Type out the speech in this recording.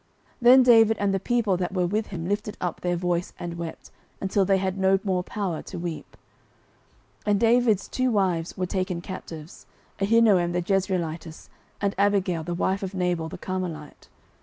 09:030:004 Then David and the people that were with him lifted up their voice and wept, until they had no more power to weep. 09:030:005 And David's two wives were taken captives, Ahinoam the Jezreelitess, and Abigail the wife of Nabal the Carmelite.